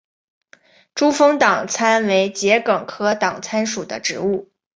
珠峰党参为桔梗科党参属的植物。